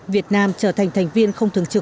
việt nam trở thành thành viên không thường trực